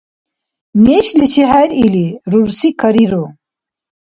Нешличи хӀеръили, рурси кариру.